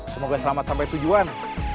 semoga selamat sampai tujuan